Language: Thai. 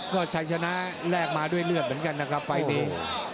ก็ชัยชนะแลกมาด้วยเลือดเหมือนกันนะครับไฟล์นี้